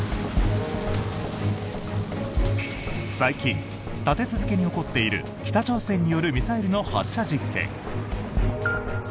最近、立て続けに起こっている北朝鮮によるミサイルの発射実験。